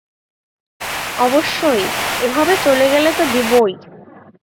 অবশ্যই, এভাবে চলে গেলে তো দিবোই?